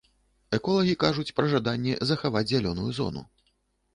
Эколагі кажуць пра жаданне захаваць зялёную зону.